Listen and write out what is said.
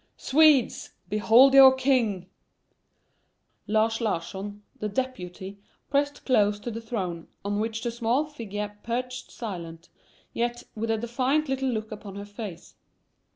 "Swedes, behold your king!" Lars Larsson, the deputy, pressed close to the throne on which the small figure perched silent, yet with a defiant little look upon her face.